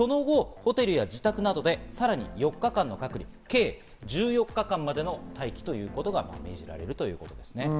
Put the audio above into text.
その後ホテルや自宅などでさらに４日間の隔離、合計１４日間までの待機ということになっています。